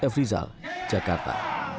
f rizal jakarta